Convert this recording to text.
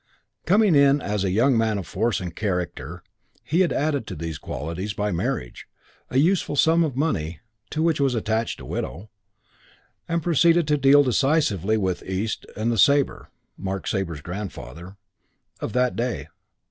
Coming in as a young man of force and character, he had added to these qualities, by marriage, a useful sum of money (to which was attached a widow) and proceeded to deal decisively with the East and the Sabre (Mark Sabre's grandfather) of that day.